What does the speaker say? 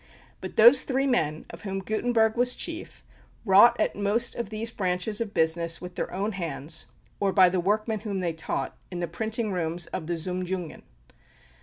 But those three men, of whom Gutenberg was chief, wrought at most of these branches of business with their own hands, or by the workmen whom they taught, in the printing rooms of the Zum Jungen.